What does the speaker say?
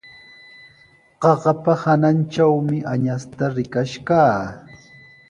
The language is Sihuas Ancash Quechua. Qaqapa hanantrawmi añasta rikash kaa.